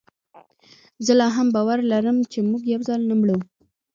زه لا هم باور لرم چي موږ یوځل نه مرو